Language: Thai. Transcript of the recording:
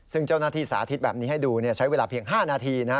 ซึ่งเจ้าหน้าที่สาธิตแบบนี้ให้ดูใช้เวลาเพียง๕นาทีนะ